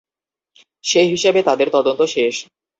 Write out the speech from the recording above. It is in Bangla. সে হিসেবে তাঁদের তদন্ত শেষ।